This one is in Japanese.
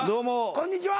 こんにちは。